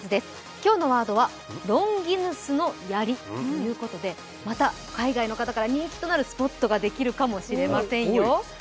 今日のワードはロンギヌスの槍ということで、また海外の方から人気となるスポットができるかもしれませんよ。